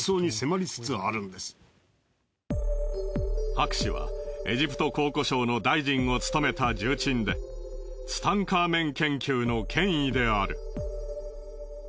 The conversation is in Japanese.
博士はエジプト考古省の大臣を務めた重鎮でツタンカーメン研究の権威である。